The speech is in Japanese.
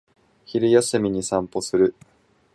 昼休みに散歩する